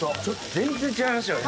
全然違いますよね。